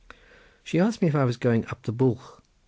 She asked me if I was going up the bwlch.